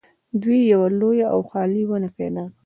دوی یوه لویه او خالي ونه پیدا کړه